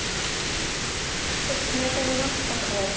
これ決め手になった可能性ありますか。